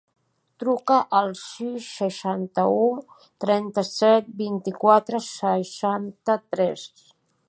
Truca al sis, seixanta-u, trenta-set, vint-i-quatre, seixanta-tres.